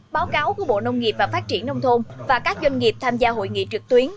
báo cáo của bộ nông nghiệp và phát triển nông thôn và các doanh nghiệp tham gia hội nghị trực tuyến